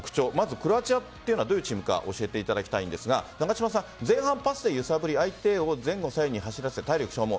クロアチアというのはどういうチームか教えていただきたいんですが前半、パスで揺さぶり相手を前後左右に走らせ体力消耗。